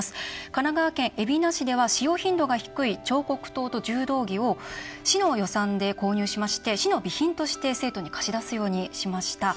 神奈川県海老名市では使用頻度が低い彫刻刀と柔道着を市の予算で購入しまして、市の備品として生徒に貸し出すようにしました。